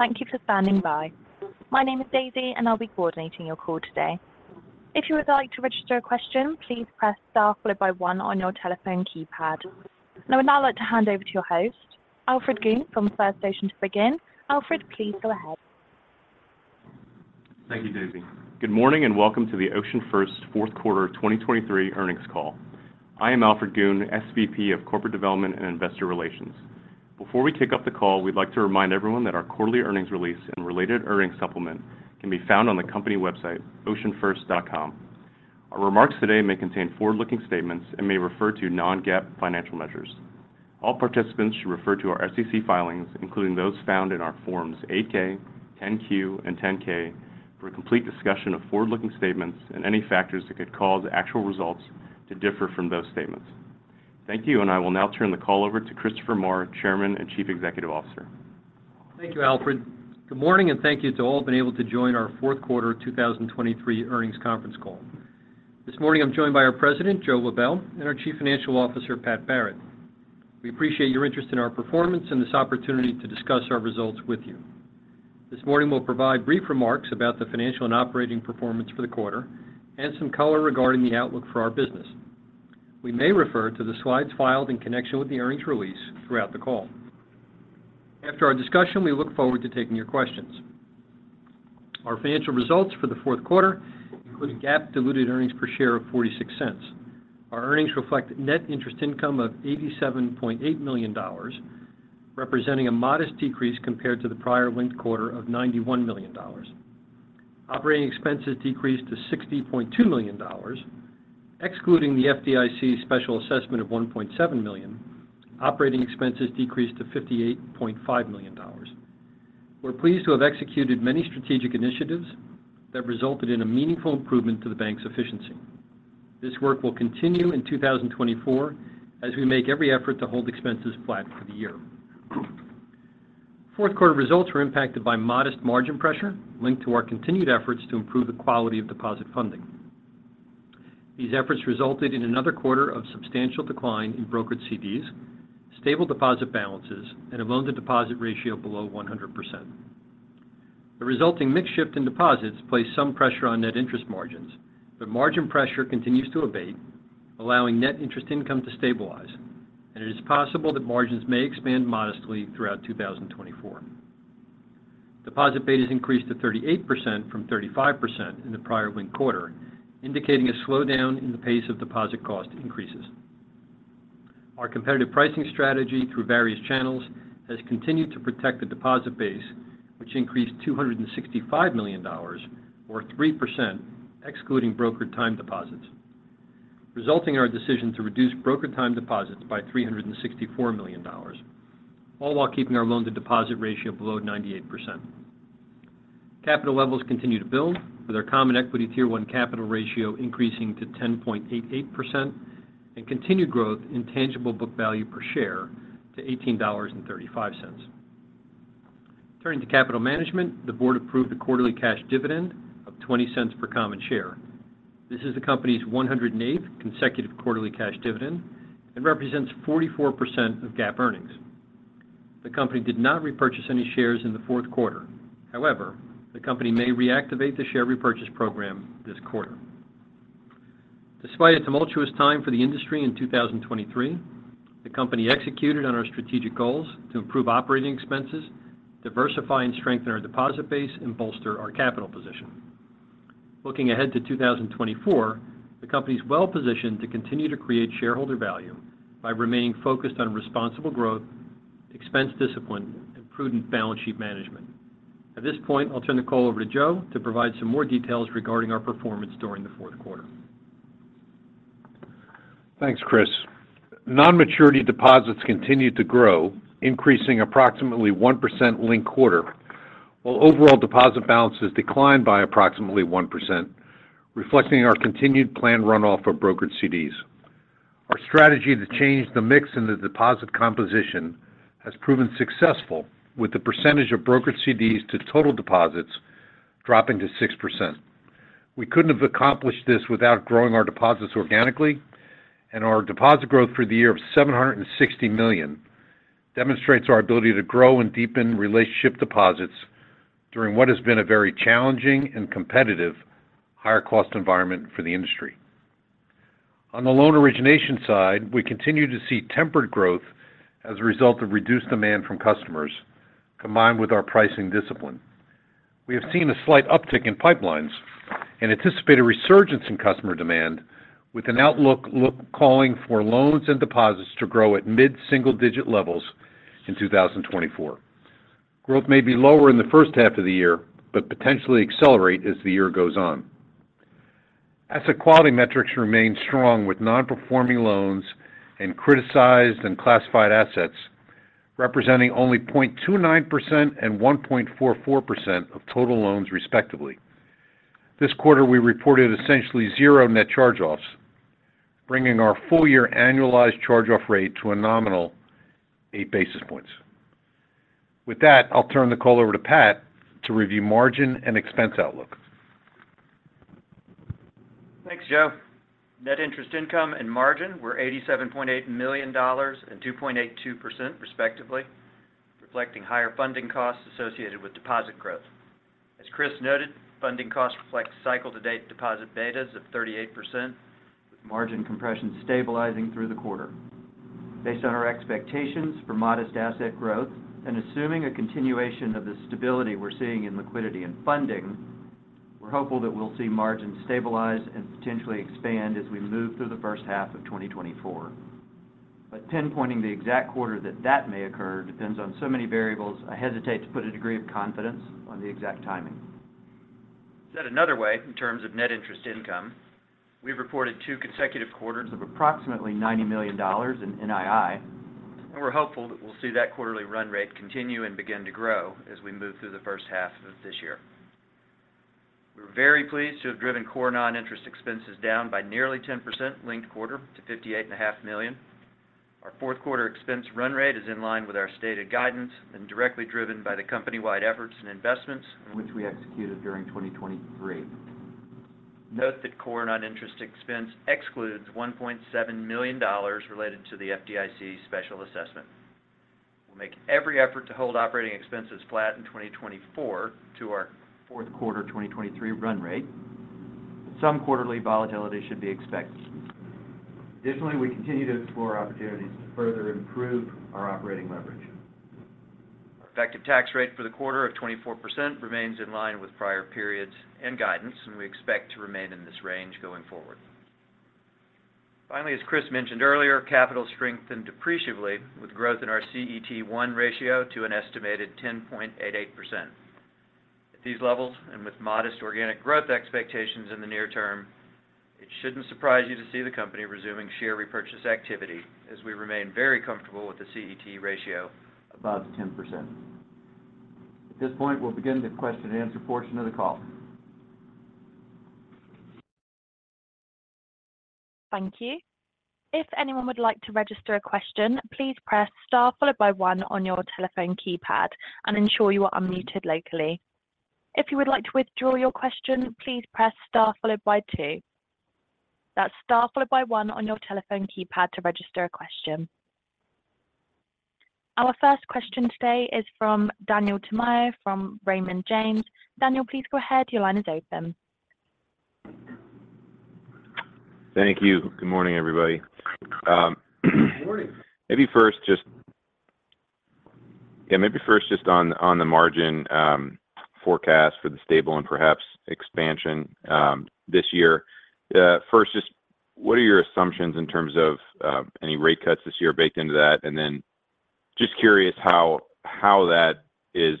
Thank you for standing by. My name is Daisy, and I'll be coordinating your call today. If you would like to register a question, please press Star followed by one on your telephone keypad. I would now like to hand over to your host, Alfred Goon from OceanFirst to begin. Alfred, please go ahead. Thank you, Daisy. Good morning, and welcome to the OceanFirst fourth quarter 2023 earnings call. I am Alfred Goon, SVP of Corporate Development and Investor Relations. Before we kick off the call, we'd like to remind everyone that our quarterly earnings release and related earnings supplement can be found on the company website, oceanfirst.com. Our remarks today may contain forward-looking statements and may refer to non-GAAP financial measures. All participants should refer to our SEC filings, including those found in our Forms 8-K, Form 10-Q, and Form 10-K, for a complete discussion of forward-looking statements and any factors that could cause actual results to differ from those statements. Thank you, and I will now turn the call over to Christopher Maher, Chairman and Chief Executive Officer. Thank you, Alfred. Good morning, and thank you to all who've been able to join our fourth quarter 2023 earnings conference call. This morning, I'm joined by our President, Joe Lebel, and our Chief Financial Officer, Pat Barrett. We appreciate your interest in our performance and this opportunity to discuss our results with you. This morning, we'll provide brief remarks about the financial and operating performance for the quarter and some color regarding the outlook for our business. We may refer to the slides filed in connection with the earnings release throughout the call. After our discussion, we look forward to taking your questions. Our financial results for the fourth quarter include GAAP diluted earnings per share of $0.46. Our earnings reflect net interest income of $87.8 million, representing a modest decrease compared to the prior linked quarter of $91 million. Operating expenses decreased to $60.2 million, excluding the FDIC special assessment of $1.7 million. Operating expenses decreased to $58.5 million. We're pleased to have executed many strategic initiatives that resulted in a meaningful improvement to the bank's efficiency. This work will continue in 2024 as we make every effort to hold expenses flat for the year. Fourth quarter results were impacted by modest margin pressure linked to our continued efforts to improve the quality of deposit funding. These efforts resulted in another quarter of substantial decline in brokered CDs, stable deposit balances, and a loan-to-deposit ratio below 100%. The resulting mix shift in deposits placed some pressure on net interest margins, but margin pressure continues to abate, allowing net interest income to stabilize, and it is possible that margins may expand modestly throughout 2024. Deposit betas increased to 38% from 35% in the prior linked quarter, indicating a slowdown in the pace of deposit cost increases. Our competitive pricing strategy through various channels has continued to protect the deposit base, which increased $265 million or 3%, excluding brokered time deposits, resulting in our decision to reduce brokered time deposits by $364 million, all while keeping our loan-to-deposit ratio below 98%. Capital levels continue to build, with our Common Equity Tier 1 capital ratio increasing to 10.88% and continued growth in tangible book value per share to $18.35. Turning to capital management, the board approved a quarterly cash dividend of $0.20 per common share. This is the company's 108th consecutive quarterly cash dividend and represents 44% of GAAP earnings. The company did not repurchase any shares in the fourth quarter. However, the company may reactivate the share repurchase program this quarter. Despite a tumultuous time for the industry in 2023, the company executed on our strategic goals to improve operating expenses, diversify and strengthen our deposit base, and bolster our capital position. Looking ahead to 2024, the company is well positioned to continue to create shareholder value by remaining focused on responsible growth, expense discipline, and prudent balance sheet management. At this point, I'll turn the call over to Joe to provide some more details regarding our performance during the fourth quarter. Thanks, Chris. Non-maturity deposits continued to grow, increasing approximately 1% linked quarter, while overall deposit balances declined by approximately 1%, reflecting our continued planned runoff of brokered CDs. Our strategy to change the mix in the deposit composition has proven successful, with the percentage of brokered CDs to total deposits dropping to 6%. We couldn't have accomplished this without growing our deposits organically, and our deposit growth for the year of $760 million demonstrates our ability to grow and deepen relationship deposits during what has been a very challenging and competitive higher cost environment for the industry. On the loan origination side, we continue to see tempered growth as a result of reduced demand from customers, combined with our pricing discipline. We have seen a slight uptick in pipelines and anticipate a resurgence in customer demand, with an outlook calling for loans and deposits to grow at mid-single digit levels in 2024. Growth may be lower in the first half of the year, but potentially accelerate as the year goes on. Asset quality metrics remain strong, with non-performing loans and criticized and classified assets representing only 0.29% and 1.44% of total loans, respectively. This quarter, we reported essentially zero net charge-offs, bringing our full year annualized charge-off rate to a nominal 8 basis points. With that, I'll turn the call over to Pat to review margin and expense outlook. Thanks, Joe. Net interest income and margin were $87.8 million and 2.82% respectively, reflecting higher funding costs associated with deposit growth. As Chris noted, funding costs reflect cycle-to-date deposit betas of 38%, with margin compression stabilizing through the quarter. Based on our expectations for modest asset growth, and assuming a continuation of the stability we're seeing in liquidity and funding, we're hopeful that we'll see margins stabilize and potentially expand as we move through the first half of 2024. But pinpointing the exact quarter that that may occur depends on so many variables, I hesitate to put a degree of confidence on the exact timing. Said another way, in terms of net interest income, we've reported two consecutive quarters of approximately $90 million in NII, and we're hopeful that we'll see that quarterly run rate continue and begin to grow as we move through the first half of this year. We're very pleased to have driven core non-interest expenses down by nearly 10% linked quarter to $58.5 million. Our fourth quarter expense run rate is in line with our stated guidance and directly driven by the company-wide efforts and investments in which we executed during 2023. Note that core non-interest expense excludes $1.7 million related to the FDIC's special assessment. We'll make every effort to hold operating expenses flat in 2024 to our fourth quarter 2023 run rate. Some quarterly volatility should be expected. Additionally, we continue to explore opportunities to further improve our operating leverage. Our effective tax rate for the quarter of 24% remains in line with prior periods and guidance, and we expect to remain in this range going forward. Finally, as Chris mentioned earlier, capital strength and deployability, with growth in our CET1 ratio to an estimated 10.88%. At these levels, and with modest organic growth expectations in the near term, it shouldn't surprise you to see the company resuming share repurchase activity, as we remain very comfortable with the CET1 ratio above 10%. At this point, we'll begin the question-and-answer portion of the call. Thank you. If anyone would like to register a question, please press Star followed by one on your telephone keypad and ensure you are unmuted locally. If you would like to withdraw your question, please press Star followed by two. That's Star followed by one on your telephone keypad to register a question. Our first question today is from Daniel Tamayo, from Raymond James. Daniel, please go ahead. Your line is open. Thank you. Good morning, everybody. Good morning. Maybe first, just. Yeah, maybe first, just on the margin forecast for the stable and perhaps expansion this year. First, just what are your assumptions in terms of any rate cuts this year, baked into that? And then just curious how that is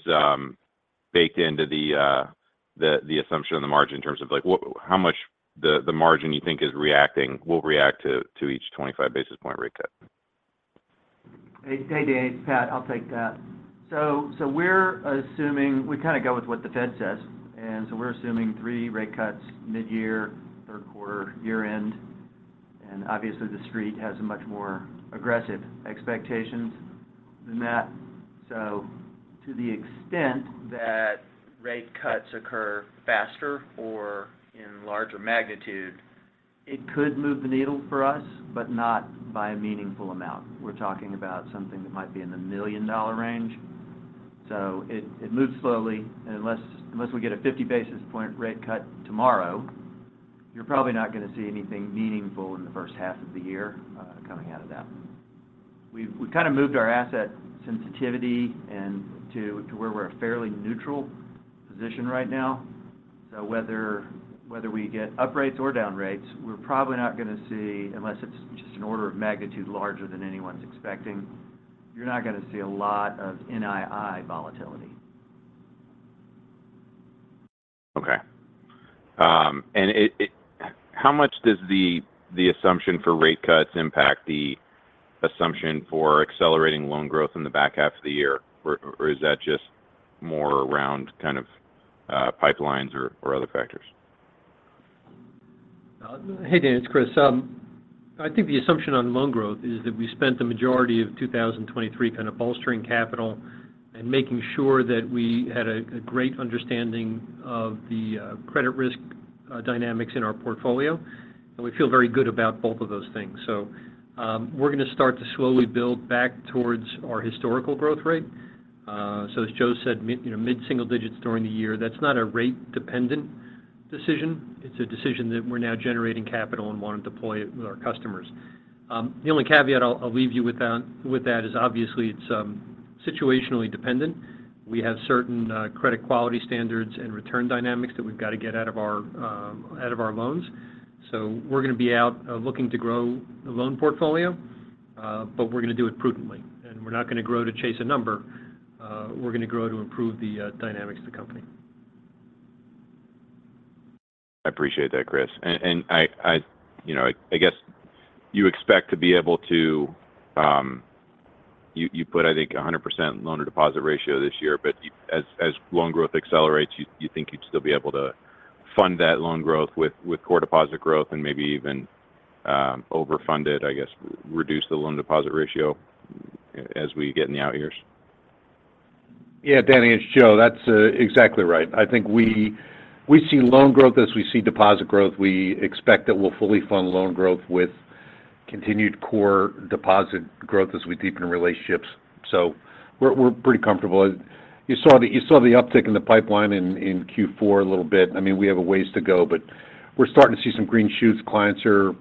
baked into the assumption on the margin in terms of like, what-- how much the margin you think is reacting-- will react to each 25 basis point rate cut? Hey, hey, Dan, it's Pat. I'll take that. So we're assuming—we kind of go with what the Fed says, and so we're assuming three rate cuts, mid-year, third quarter, year-end. And obviously, the Street has a much more aggressive expectations than that. So to the extent that rate cuts occur faster or in larger magnitude, it could move the needle for us, but not by a meaningful amount. We're talking about something that might be in the million-dollar range. So it moves slowly, and unless we get a 50-basis-point rate cut tomorrow, you're probably not going to see anything meaningful in the first half of the year coming out of that. We've kind of moved our asset sensitivity and to where we're at fairly neutral position right now. So whether we get upgrades or down rates, we're probably not going to see, unless it's just an order of magnitude larger than anyone's expecting, you're not going to see a lot of NII volatility. Okay. And how much does the assumption for rate cuts impact the assumption for accelerating loan growth in the back half of the year or is that just more around kind of pipelines or other factors? Hey, Dan, it's Chris. I think the assumption on loan growth is that we spent the majority of 2023 kind of bolstering capital and making sure that we had a great understanding of the credit risk dynamics in our portfolio. And we feel very good about both of those things. So, we're going to start to slowly build back towards our historical growth rate. As Joe said, mid, you know, mid-single digits during the year, that's not a rate-dependent decision. It's a decision that we're now generating capital and want to deploy it with our customers. The only caveat I'll leave you with on with that is, obviously, it's situationally dependent. We have certain credit quality standards and return dynamics that we've got to get out of our loans. So we're going to be out, looking to grow the loan portfolio, but we're going to do it prudently, and we're not going to grow to chase a number. We're going to grow to improve the, dynamics of the company. I appreciate that, Chris. You know, I guess you expect to be able to. You put, I think, 100% loan-to-deposit ratio this year, but as loan growth accelerates, you think you'd still be able to fund that loan growth with core deposit growth and maybe even overfund it, I guess, reduce the loan-to-deposit ratio as we get in the out years?... Yeah, Danny, it's Joe. That's exactly right. I think we see loan growth as we see deposit growth. We expect that we'll fully fund loan growth with continued core deposit growth as we deepen relationships. So we're pretty comfortable. You saw the uptick in the pipeline in Q4 a little bit. I mean, we have a ways to go, but we're starting to see some green shoots. Clients are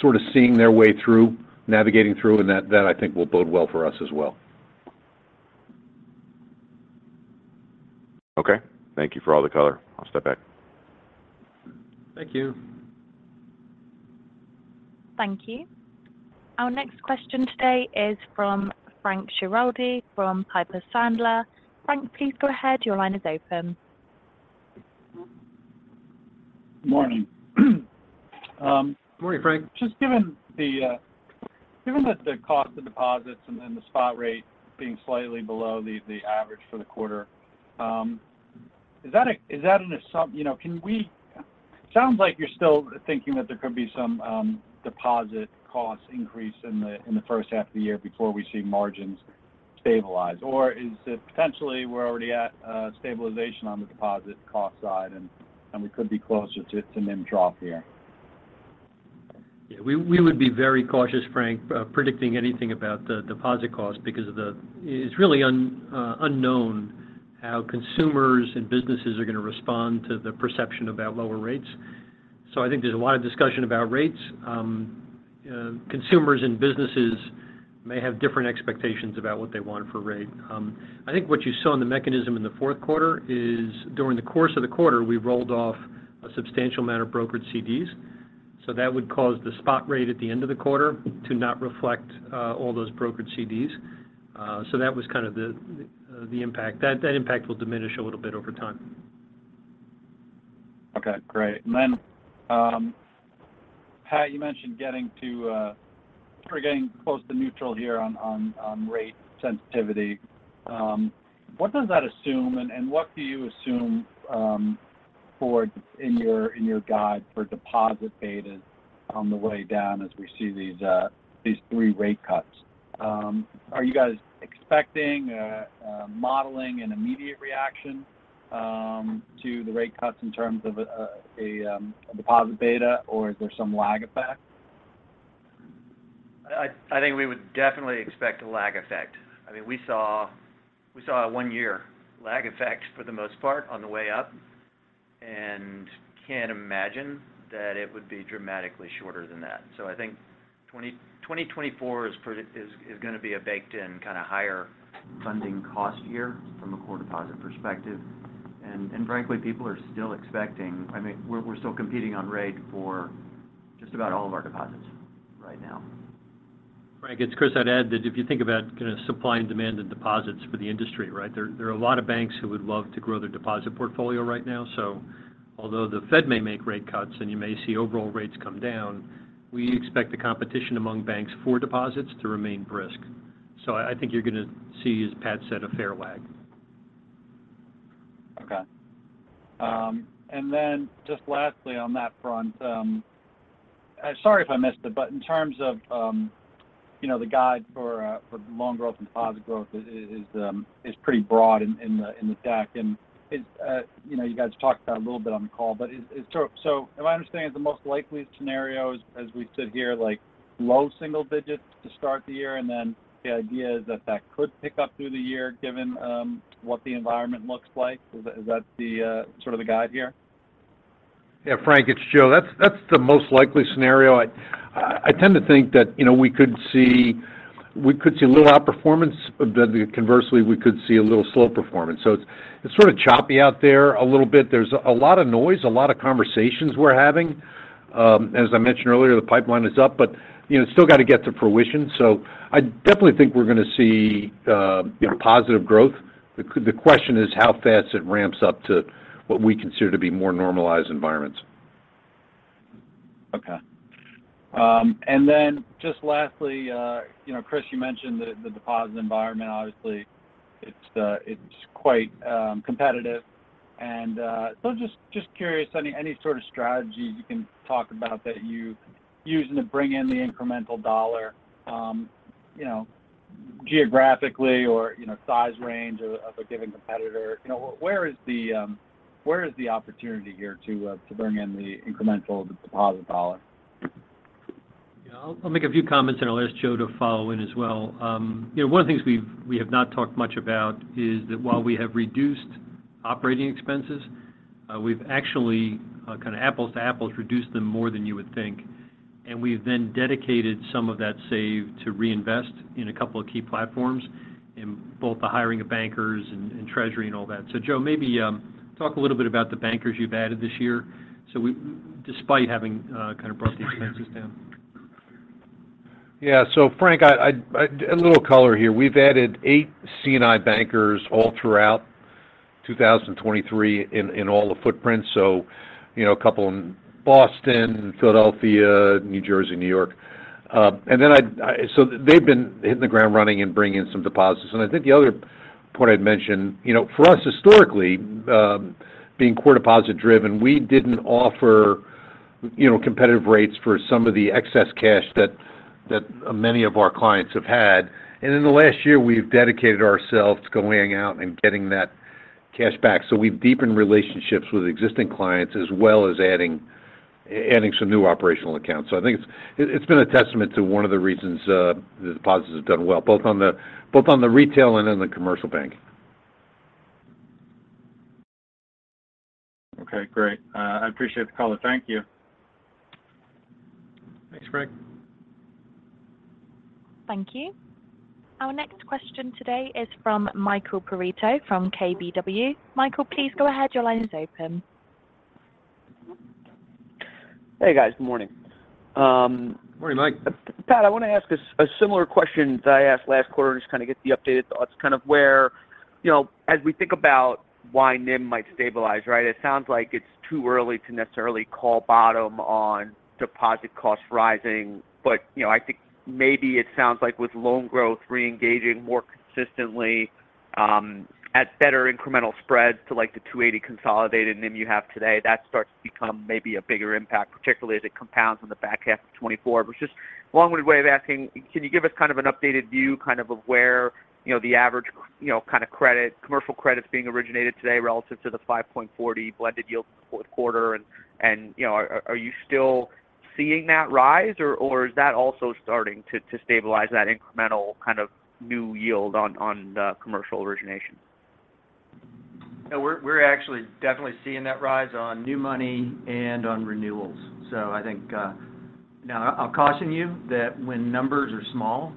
sort of seeing their way through, navigating through, and that I think will bode well for us as well. Okay. Thank you for all the color. I'll step back. Thank you. Thank you. Our next question today is from Frank Schiraldi, from Piper Sandler. Frank, please go ahead. Your line is open. Morning. Morning, Frank. Just given that the cost of deposits and the spot rate being slightly below the average for the quarter, is that an assumption, you know? Sounds like you're still thinking that there could be some deposit cost increase in the first half of the year before we see margins stabilize. Or is it potentially we're already at stabilization on the deposit cost side, and we could be closer to it and then drop here? Yeah, we would be very cautious, Frank, about predicting anything about the deposit cost because it's really unknown how consumers and businesses are going to respond to the perception about lower rates. So I think there's a lot of discussion about rates. Consumers and businesses may have different expectations about what they want for rate. I think what you saw in the mechanism in the fourth quarter is, during the course of the quarter, we rolled off a substantial amount of brokered CDs. So that would cause the spot rate at the end of the quarter to not reflect all those brokered CDs. So that was kind of the impact. That impact will diminish a little bit over time. Okay, great. And then, Pat, you mentioned getting to sort of getting close to neutral here on rate sensitivity. What does that assume, and what do you assume for in your guide for deposit betas on the way down as we see these three rate cuts? Are you guys expecting modeling an immediate reaction to the rate cuts in terms of a deposit beta, or is there some lag effect? I think we would definitely expect a lag effect. I mean, we saw a one-year lag effect for the most part on the way up, and can't imagine that it would be dramatically shorter than that. So I think 2024 is pretty is going to be a baked-in kind of higher funding cost year from a core deposit perspective. And frankly, people are still expecting... I mean, we're still competing on rate for just about all of our deposits right now. Frank, it's Chris. I'd add that if you think about kind of supply and demand in deposits for the industry, right? There are a lot of banks who would love to grow their deposit portfolio right now. So although the Fed may make rate cuts and you may see overall rates come down, we expect the competition among banks for deposits to remain brisk. So I think you're going to see, as Pat said, a fair lag. Okay. And then just lastly on that front, sorry if I missed it, but in terms of, you know, the guide for loan growth and deposit growth is pretty broad in the deck. And it's, you know, you guys talked about it a little bit on the call, but it. So if I understand, the most likeliest scenario as we sit here, like, low single digits to start the year, and then the idea is that that could pick up through the year, given what the environment looks like. Is that the sort of the guide here? Yeah, Frank, it's Joe. That's, that's the most likely scenario. I, I tend to think that, you know, we could see, we could see a little outperformance, but then conversely, we could see a little slow performance. So it's, it's sort of choppy out there a little bit. There's a lot of noise, a lot of conversations we're having. As I mentioned earlier, the pipeline is up, but, you know, it's still got to get to fruition. So I definitely think we're going to see, you know, positive growth. The question is how fast it ramps up to what we consider to be more normalized environments. Okay. And then just lastly, you know, Chris, you mentioned that the deposit environment, obviously it's quite competitive. And so just curious, any sort of strategy you can talk about that you're using to bring in the incremental dollar, you know, geographically or, you know, size range of a given competitor? You know, where is the opportunity here to bring in the incremental deposit dollar? Yeah. I'll make a few comments, and I'll ask Joe to follow in as well. You know, one of the things we have not talked much about is that while we have reduced operating expenses, we've actually kind of apples to apples, reduced them more than you would think. And we've then dedicated some of that save to reinvest in a couple of key platforms, in both the hiring of bankers and treasury and all that. So, Joe, maybe talk a little bit about the bankers you've added this year. So, despite having kind of brought the expenses down. Yeah. So, Frank, a little color here. We've added eight C&I bankers all throughout 2023 in all the footprints. So, you know, a couple in Boston, Philadelphia, New Jersey, New York. And then so they've been hitting the ground running and bringing in some deposits. And I think the other point I'd mention, you know, for us historically, being core deposit driven, we didn't offer, You know, competitive rates for some of the excess cash that many of our clients have had. And in the last year, we've dedicated ourselves to going out and getting that cash back. So we've deepened relationships with existing clients, as well as adding some new operational accounts. So I think it's been a testament to one of the reasons, the deposits have done well, both on the retail and in the commercial bank. Okay, great. I appreciate the call. Thank you. Thanks, Greg. Thank you. Our next question today is from Michael Perito from KBW. Michael, please go ahead. Your line is open. Hey, guys. Good morning. Morning, Mike. Pat, I want to ask a similar question that I asked last quarter, and just kind of get the updated thoughts. Kind of where, you know, as we think about why NIM might stabilize, right? It sounds like it's too early to necessarily call bottom on deposit costs rising, but, you know, I think maybe it sounds like with loan growth reengaging more consistently, at better incremental spreads to, like, the 2.80% consolidated NIM you have today, that starts to become maybe a bigger impact, particularly as it compounds in the back half of 2024. Which is a long-winded way of asking: Can you give us kind of an updated view, kind of where, you know, the average, you know, kind of credit, commercial credits being originated today relative to the 5.40% blended yield fourth quarter? You know, are you still seeing that rise, or is that also starting to stabilize that incremental kind of new yield on commercial origination? Yeah. We're, we're actually definitely seeing that rise on new money and on renewals. So I think... Now, I'll caution you that when numbers are small,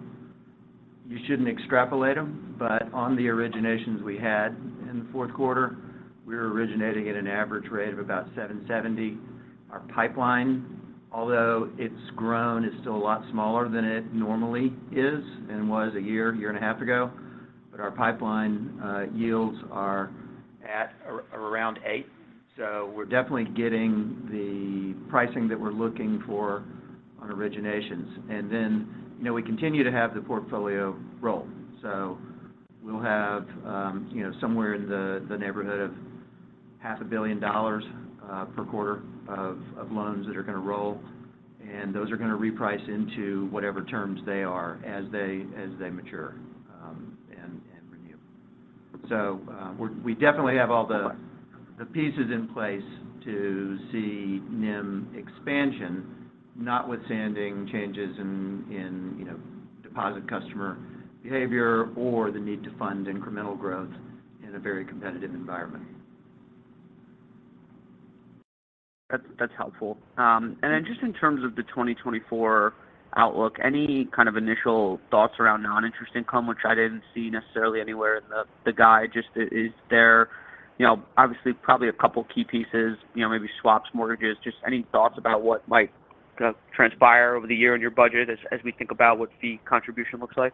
you shouldn't extrapolate them, but on the originations we had in the fourth quarter, we were originating at an average rate of about 7.70. Our pipeline, although it's grown, is still a lot smaller than it normally is and was a year, a year and a half ago. But our pipeline yields are at around 8, so we're definitely getting the pricing that we're looking for on originations. And then, you know, we continue to have the portfolio roll. So we'll have, you know, somewhere in the neighborhood of $500 million per quarter of loans that are going to roll, and those are going to reprice into whatever terms they are as they mature, and renew. So, we're—we definitely have all the pieces in place to see NIM expansion, notwithstanding changes in, you know, deposit customer behavior or the need to fund incremental growth in a very competitive environment. That's helpful. And then just in terms of the 2024 outlook, any kind of initial thoughts around non-interest income, which I didn't see necessarily anywhere in the guide? Just is there, you know, obviously, probably a couple of key pieces, you know, maybe swaps, mortgages. Just any thoughts about what might, kind of, transpire over the year in your budget as we think about what the contribution looks like?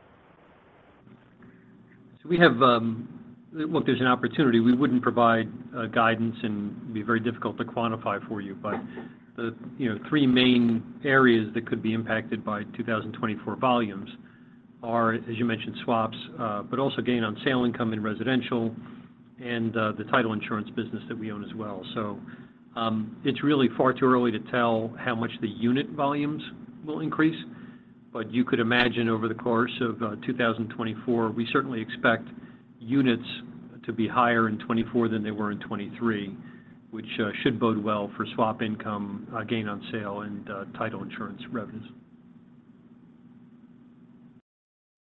So we have... Look, there's an opportunity. We wouldn't provide guidance and it'd be very difficult to quantify for you. But the, you know, three main areas that could be impacted by 2024 volumes are, as you mentioned, swaps, but also gain on sale income in residential and the title insurance business that we own as well. So, it's really far too early to tell how much the unit volumes will increase, but you could imagine over the course of 2024, we certainly expect units to be higher in 2024 than they were in 2023, which should bode well for swap income, gain on sale, and title insurance revenues.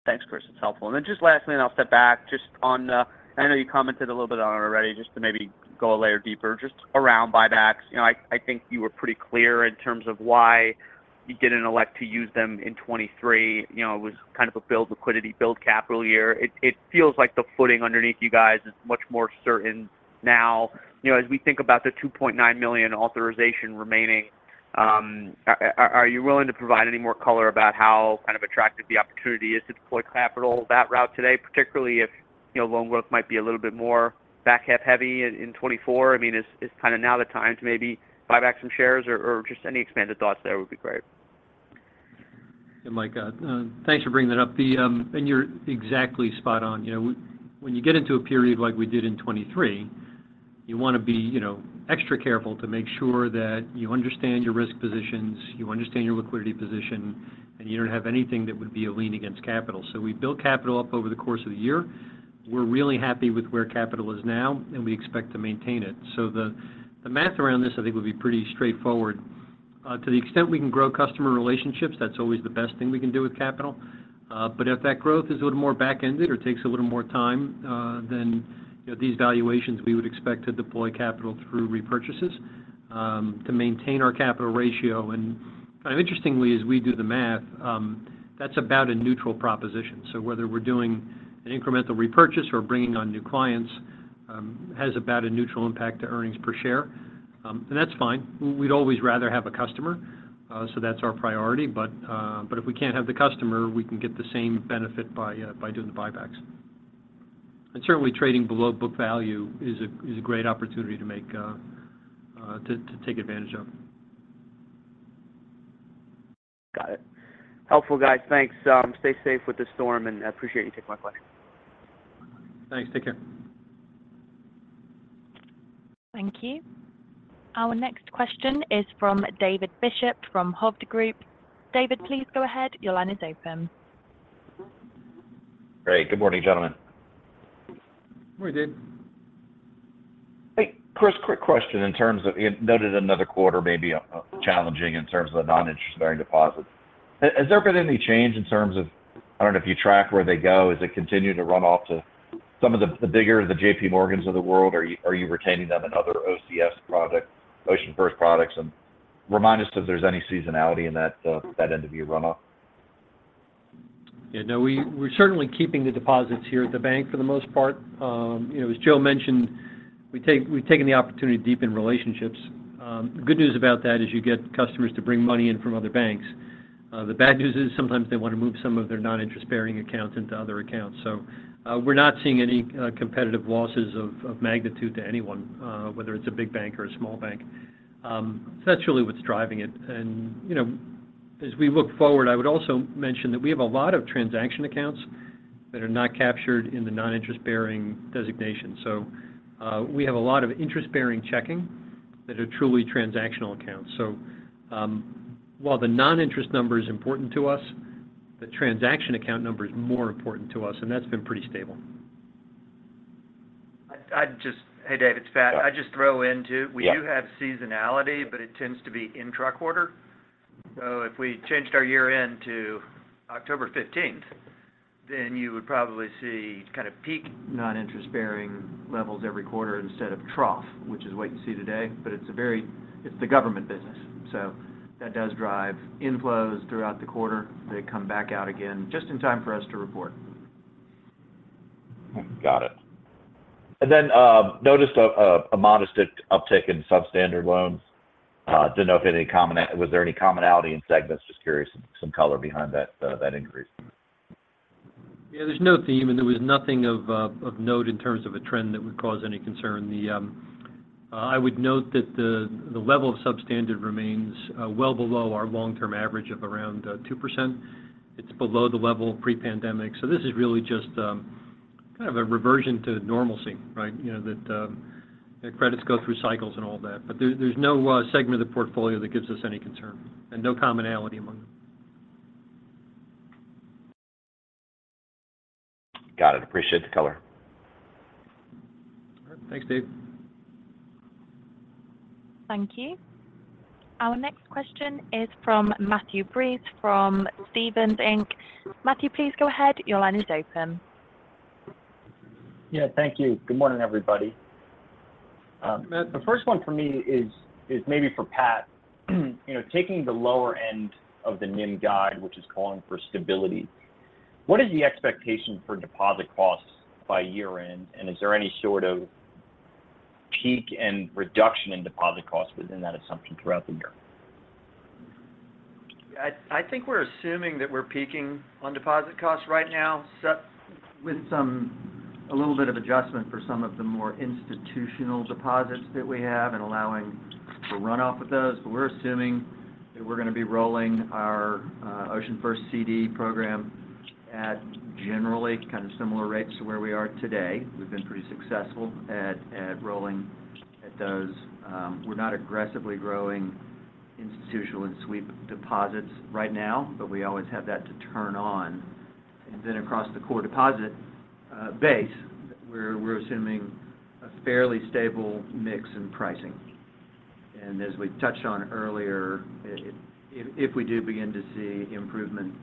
Thanks, Chris. That's helpful. And then just lastly, and I'll step back, just on the I know you commented a little bit on it already, just to maybe go a layer deeper, just around buybacks. You know, I, I think you were pretty clear in terms of why you didn't elect to use them in 2023. You know, it was kind of a build liquidity, build capital year. It, it feels like the footing underneath you guys is much more certain now. You know, as we think about the 2.9 million authorization remaining, are, are, are you willing to provide any more color about how kind of attractive the opportunity is to deploy capital that route today, particularly if, you know, loan growth might be a little bit more back-half heavy in, in 2024? I mean, is kind of now the time to maybe buy back some shares or just any expanded thoughts there would be great? Hey, Mike, thanks for bringing that up. The and you're exactly spot on. You know, when you get into a period like we did in 2023, you want to be, you know, extra careful to make sure that you understand your risk positions, you understand your liquidity position, and you don't have anything that would be a lean against capital. So we've built capital up over the course of the year. We're really happy with where capital is now, and we expect to maintain it. So the, the math around this, I think, would be pretty straightforward. To the extent we can grow customer relationships, that's always the best thing we can do with capital. But if that growth is a little more back-ended or takes a little more time than, you know, these valuations, we would expect to deploy capital through repurchases to maintain our capital ratio. And kind of interestingly, as we do the math, that's about a neutral proposition. So whether we're doing an incremental repurchase or bringing on new clients has about a neutral impact to earnings per share. And that's fine. We'd always rather have a customer, so that's our priority. But, but if we can't have the customer, we can get the same benefit by doing the buybacks. And certainly, trading below book value is a great opportunity to take advantage of. Got it. Helpful, guys. Thanks, stay safe with the storm, and I appreciate you taking my question. Thanks. Take care. Thank you. Our next question is from David Bishop from Hovde Group. David, please go ahead. Your line is open. Great. Good morning, gentlemen. Morning, Dave. Hey, Chris, quick question in terms of, you noted another quarter may be challenging in terms of the non-interest-bearing deposits. Has there been any change in terms of, I don't know if you track where they go, as they continue to run off to some of the, the bigger, the JPMorgans of the world? Are you retaining them in other [OCFC products], OceanFirst products? And remind us if there's any seasonality in that end-of-year runoff. Yeah, no, we're certainly keeping the deposits here at the bank for the most part. You know, as Joe mentioned, we've taken the opportunity to deepen relationships. The good news about that is you get customers to bring money in from other banks. The bad news is sometimes they want to move some of their non-interest-bearing accounts into other accounts. So, we're not seeing any competitive losses of magnitude to anyone, whether it's a big bank or a small bank. That's really what's driving it. And, you know, as we look forward, I would also mention that we have a lot of transaction accounts that are not captured in the non-interest-bearing designation. So, we have a lot of interest-bearing checking that are truly transactional accounts. While the non-interest number is important to us, the transaction account number is more important to us, and that's been pretty stable. Hey, David, it's Pat. Yeah. I'd just throw in, too- Yeah. We do have seasonality, but it tends to be intra-quarter. So if we changed our year-end to October fifteenth, then you would probably see kind of peak non-interest-bearing levels every quarter instead of trough, which is what you see today. But it's a very. It's the government business, so that does drive inflows throughout the quarter. They come back out again just in time for us to report. Got it. And then noticed a modest uptick in substandard loans. Didn't know if there was any commonality in segments? Just curious, some color behind that increase. Yeah, there's no theme, and there was nothing of note in terms of a trend that would cause any concern. I would note that the level of substandard remains well below our long-term average of around 2%. It's below the level pre-pandemic. So this is really just kind of a reversion to normalcy, right? You know, that the credits go through cycles and all that, but there's no segment of the portfolio that gives us any concern and no commonality among them. Got it. Appreciate the color. All right. Thanks, Dave. Thank you. Our next question is from Matthew Breese from Stephens Inc. Matthew, please go ahead. Your line is open. Yeah, thank you. Good morning, everybody. The first one for me is maybe for Pat. You know, taking the lower end of the NIM guide, which is calling for stability, what is the expectation for deposit costs by year-end? And is there any sort of peak and reduction in deposit costs within that assumption throughout the year? I think we're assuming that we're peaking on deposit costs right now, with some, a little bit of adjustment for some of the more institutional deposits that we have and allowing for runoff of those. But we're assuming that we're going to be rolling our OceanFirst CD program at generally kind of similar rates to where we are today. We've been pretty successful at rolling at those. We're not aggressively growing institutional and sweep deposits right now, but we always have that to turn on. And then across the core deposit base, we're assuming a fairly stable mix in pricing. And as we touched on earlier, if we do begin to see improvement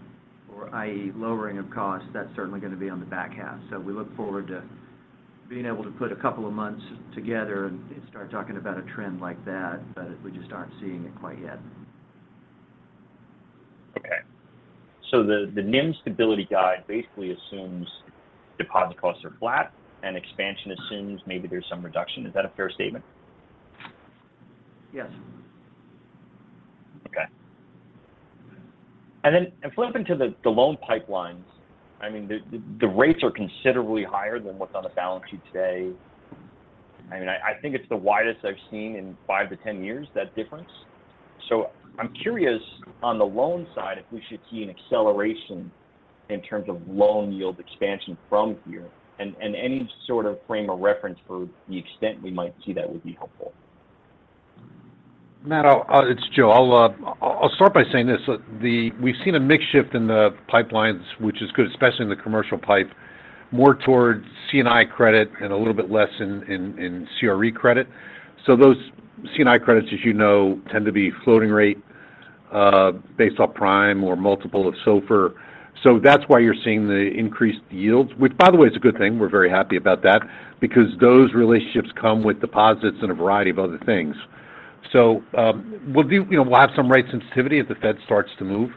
or, i.e., lowering of cost, that's certainly going to be on the back half. So we look forward to being able to put a couple of months together and start talking about a trend like that, but we just aren't seeing it quite yet. Okay. So the NIM stability guide basically assumes deposit costs are flat and expansion assumes maybe there's some reduction. Is that a fair statement? Yes. Okay. And then flipping to the loan pipelines, I mean, the rates are considerably higher than what's on the balance sheet today. I mean, I think it's the widest I've seen in five to 10 years, that difference. So I'm curious, on the loan side, if we should see an acceleration in terms of loan yield expansion from here, and any sort of frame of reference for the extent we might see that would be helpful. Matt, it's Joe. I'll start by saying this: we've seen a mix shift in the pipelines, which is good, especially in the commercial pipe, more towards C&I credit and a little bit less in CRE credit. So those C&I credits, as you know, tend to be floating rate, based off prime or multiple of SOFR. So that's why you're seeing the increased yields, which, by the way, is a good thing. We're very happy about that because those relationships come with deposits and a variety of other things. So, you know, we'll have some rate sensitivity as the Fed starts to move,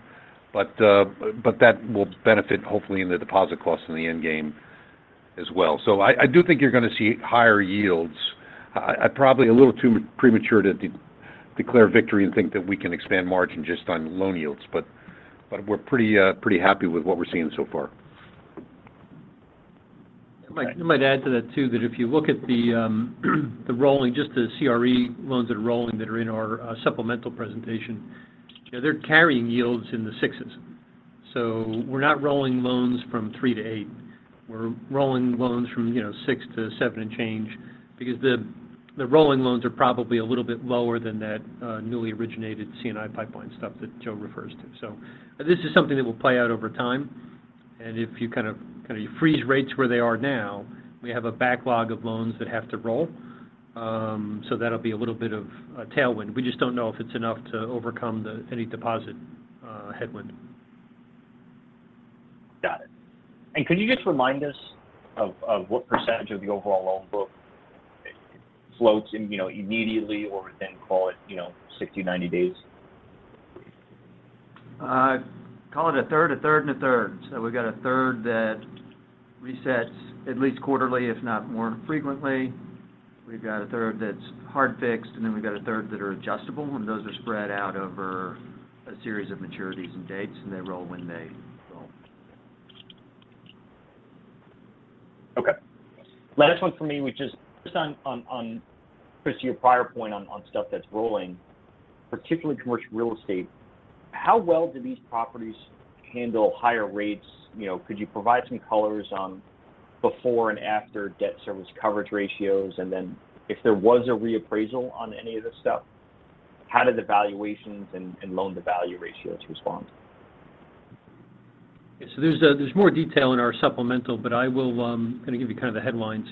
but that will benefit hopefully in the deposit costs in the end game as well. So I do think you're going to see higher yields. I'd probably a little too premature to declare victory and think that we can expand margin just on loan yields, but we're pretty happy with what we're seeing so far. I might add to that too, that if you look at the rolling, just the CRE loans that are rolling that are in our supplemental presentation, they're carrying yields in the sixes. So we're not rolling loans from 3 to 8. We're rolling loans from, you know, 6 to 7 and change, because the rolling loans are probably a little bit lower than that, newly originated C&I pipeline stuff that Joe refers to. So this is something that will play out over time, and if you kind of freeze rates where they are now, we have a backlog of loans that have to roll. So that'll be a little bit of a tailwind. We just don't know if it's enough to overcome any deposit headwind. Got it. Could you just remind us of what percentage of the overall loan book floats in, you know, immediately or within, call it, you know, 60, 90 days? Call it a third, a third, and a third. We've got a third that resets at least quarterly, if not more frequently. We've got a third that's hard fixed, and then we've got a third that are adjustable, and those are spread out over a series of maturities and dates, and they roll when they roll. Okay. Last one for me, which is just on Chris, to your prior point on stuff that's rolling, particularly commercial real estate, how well do these properties handle higher rates? You know, could you provide some colors on before and after debt service coverage ratios? And then if there was a reappraisal on any of this stuff, how did the valuations and loan-to-value ratios respond? Yeah. So there's more detail in our supplemental, but I will kind of give you kind of the headlines.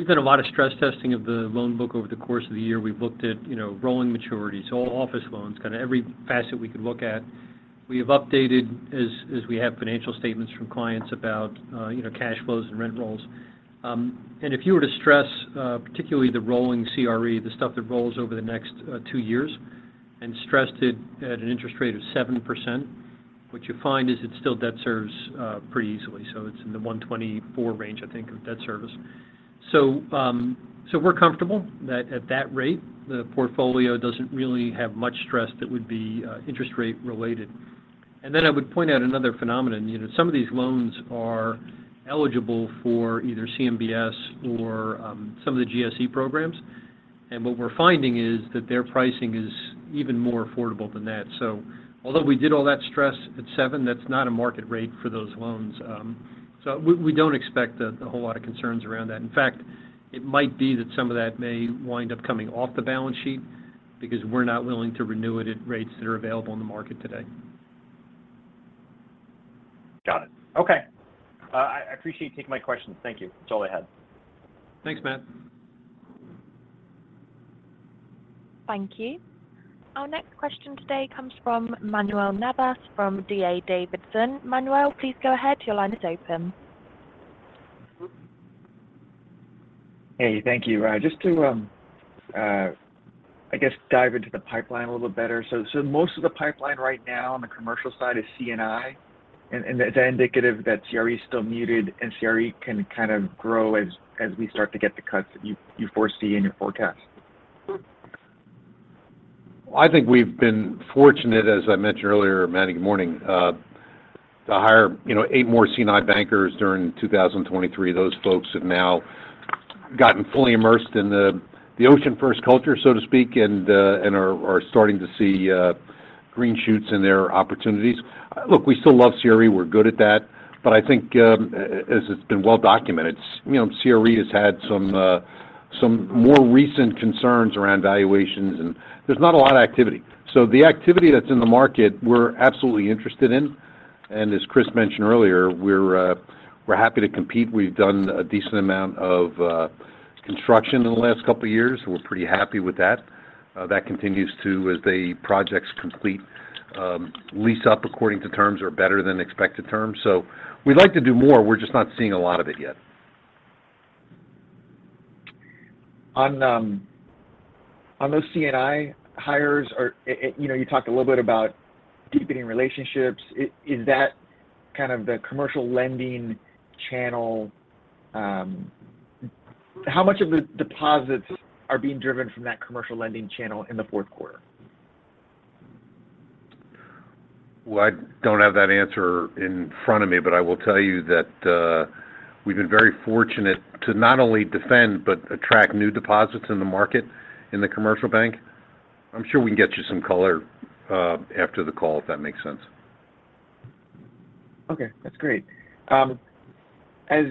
We've done a lot of stress testing of the loan book over the course of the year. We've looked at, you know, rolling maturities, all office loans, kind of every facet we could look at. We have updated as we have financial statements from clients about, you know, cash flows and rent rolls. And if you were to stress particularly the rolling CRE, the stuff that rolls over the next two years, and stressed it at an interest rate of 7%, what you find is it still debt serves pretty easily. So it's in the 1.24 range, I think, of debt service. So, so we're comfortable that at that rate, the portfolio doesn't really have much stress that would be, interest rate related. And then I would point out another phenomenon. You know, some of these loans are eligible for either CMBS or, some of the GSE programs, and what we're finding is that their pricing is even more affordable than that. So although we did all that stress at 7, that's not a market rate for those loans. So we don't expect a whole lot of concerns around that. In fact, it might be that some of that may wind up coming off the balance sheet because we're not willing to renew it at rates that are available in the market today. Got it. Okay. I appreciate you taking my questions. Thank you. That's all I had. Thanks, Matt. Thank you. Our next question today comes from Manuel Navas, from D.A. Davidson. Manuel, please go ahead. Your line is open. Hey, thank you. Just to, I guess, dive into the pipeline a little bit better. So most of the pipeline right now on the commercial side is C&I, and is that indicative that CRE is still muted and CRE can kind of grow as we start to get the cuts that you foresee in your forecast? I think we've been fortunate, as I mentioned earlier, Manny, good morning, to hire, you know, eight more C&I bankers during 2023. Those folks have now gotten fully immersed in the OceanFirst culture, so to speak, and are starting to see green shoots in their opportunities. Look, we still love CRE. We're good at that, but I think, as it's been well documented, you know, CRE has had some more recent concerns around valuations, and there's not a lot of activity. So the activity that's in the market, we're absolutely interested in, and as Chris mentioned earlier, we're happy to compete. We've done a decent amount of construction in the last couple of years. We're pretty happy with that. That continues to, as the projects complete, lease up according to terms or better than expected terms. So we'd like to do more. We're just not seeing a lot of it yet. On those C&I hires or... you know, you talked a little bit about deepening relationships. Is that kind of the commercial lending channel? How much of the deposits are being driven from that commercial lending channel in the fourth quarter? Well, I don't have that answer in front of me, but I will tell you that we've been very fortunate to not only defend, but attract new deposits in the market, in the commercial bank. I'm sure we can get you some color after the call, if that makes sense. Okay, that's great. As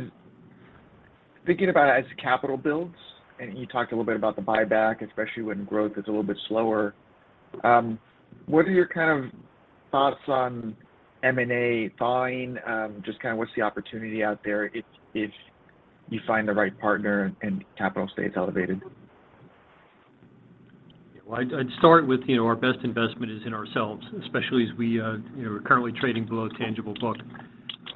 thinking about it as capital builds, and you talked a little bit about the buyback, especially when growth is a little bit slower, what are your kind of thoughts on M&A buying? Just kind of what's the opportunity out there if, if you find the right partner and, and capital stays elevated? Well, I'd, I'd start with, you know, our best investment is in ourselves, especially as we, you know, are currently trading below tangible book.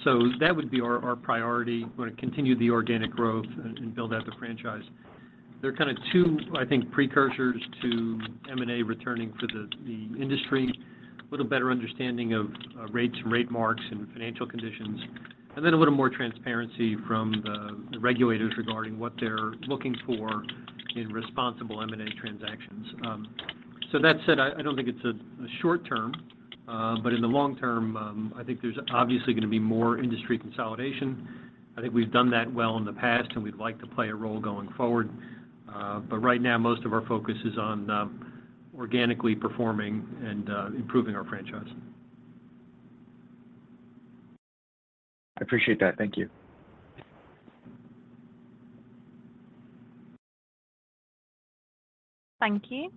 So that would be our, our priority. Want to continue the organic growth and, and build out the franchise. There are kind of two, I think, precursors to M&A returning to the, the industry: a little better understanding of, rates and rate marks and financial conditions, and then a little more transparency from the, the regulators regarding what they're looking for in responsible M&A transactions. So that said, I, I don't think it's a, a short term, but in the long term, I think there's obviously going to be more industry consolidation. I think we've done that well in the past, and we'd like to play a role going forward. Right now, most of our focus is on organically performing and improving our franchise. I appreciate that. Thank you. Thank you.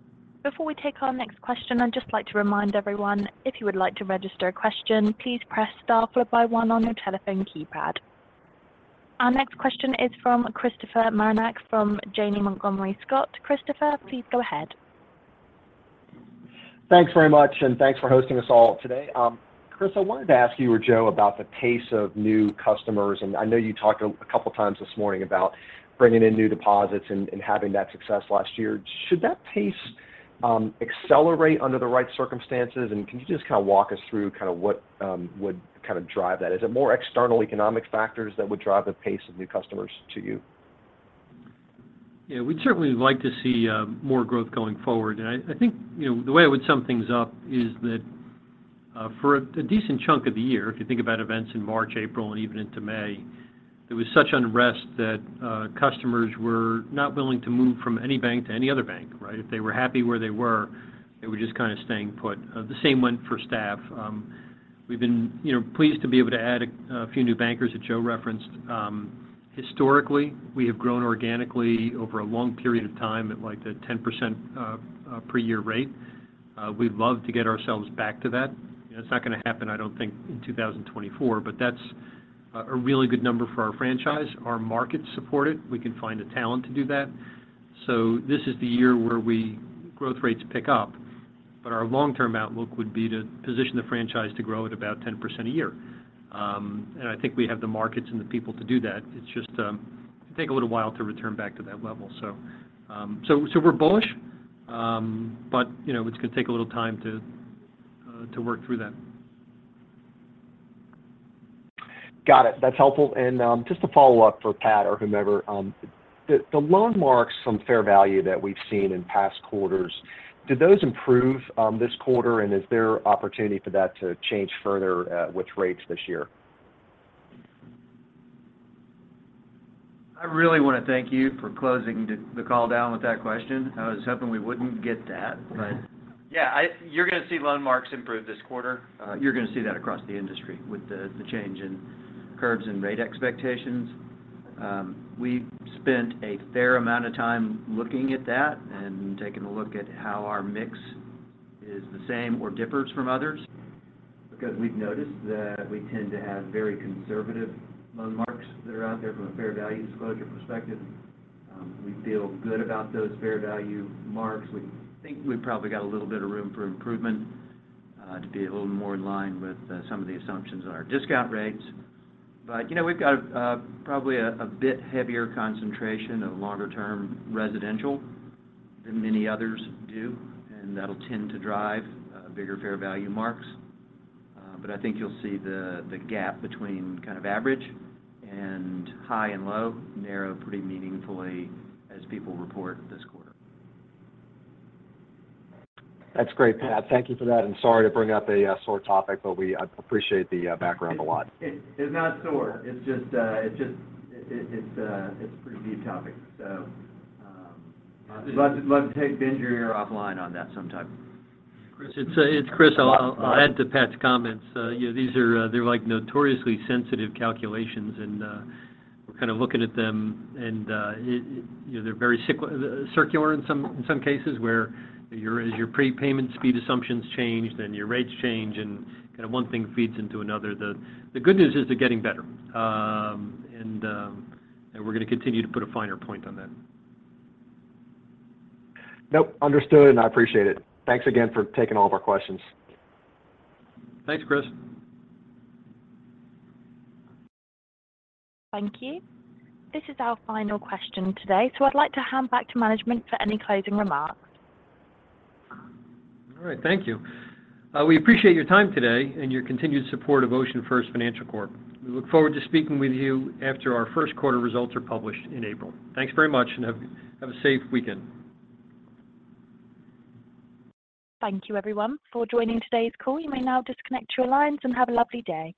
Before we take our next question, I'd just like to remind everyone, if you would like to register a question, please press star followed by one on your telephone keypad. Our next question is from Christopher Marinac, from Janney Montgomery Scott. Christopher, please go ahead. Thanks very much, and thanks for hosting us all today. Chris, I wanted to ask you or Joe about the pace of new customers, and I know you talked a couple of times this morning about bringing in new deposits and having that success last year. Should that pace accelerate under the right circumstances? And can you just kind of walk us through kind of what would kind of drive that? Is it more external economic factors that would drive the pace of new customers to you? Yeah, we'd certainly like to see more growth going forward. And I think, you know, the way I would sum things up is that for a decent chunk of the year, if you think about events in March, April, and even into May, there was such unrest that customers were not willing to move from any bank to any other bank, right? If they were happy where they were, they were just kind of staying put. The same went for staff. We've been, you know, pleased to be able to add a few new bankers that Joe referenced. Historically, we have grown organically over a long period of time at, like, a 10% per year rate. We'd love to get ourselves back to that. It's not going to happen, I don't think, in 2024, but that's a really good number for our franchise. Our markets support it. We can find the talent to do that. So this is the year where growth rates pick up, but our long-term outlook would be to position the franchise to grow at about 10% a year. And I think we have the markets and the people to do that. It's just, it take a little while to return back to that level. So, so we're bullish, but, you know, it's going to take a little time to work through that. Got it. That's helpful. And, just a follow-up for Pat or whomever. The loan marks, some fair value that we've seen in past quarters, did those improve this quarter? And is there opportunity for that to change further with rates this year? I really want to thank you for closing the call down with that question. I was hoping we wouldn't get that, but yeah, you're going to see loan marks improve this quarter. You're going to see that across the industry with the change in curves and rate expectations. We spent a fair amount of time looking at that and taking a look at how our mix is the same or differs from others because we've noticed that we tend to have very conservative loan marks that are out there from a fair value disclosure perspective. We feel good about those fair value marks. We think we've probably got a little bit of room for improvement to be a little more in line with some of the assumptions on our discount rates. But, you know, we've got probably a bit heavier concentration of longer-term residential than many others do, and that'll tend to drive bigger fair value marks. But I think you'll see the gap between kind of average and high and low narrow pretty meaningfully as people report this quarter. That's great, Pat. Thank you for that, and sorry to bring up a sore topic, but we appreciate the background a lot. It's not sore. It's just, it's a pretty deep topic. So, I'd love to take [Benji] here offline on that sometime. Chris, it's Chris. I'll add to Pat's comments. You know, these are, they're like notoriously sensitive calculations, and we're kind of looking at them, and you know, they're very circular in some cases, where as your prepayment speed assumptions change, then your rates change, and kind of one thing feeds into another. The good news is they're getting better. And we're going to continue to put a finer point on that. Nope, understood, and I appreciate it. Thanks again for taking all of our questions. Thanks, Chris. Thank you. This is our final question today, so I'd like to hand back to management for any closing remarks. All right, thank you. We appreciate your time today and your continued support of OceanFirst Financial Corp. We look forward to speaking with you after our first quarter results are published in April. Thanks very much, and have a safe weekend. Thank you, everyone, for joining today's call. You may now disconnect your lines and have a lovely day.